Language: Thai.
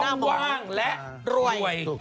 ต้องว่างและรวย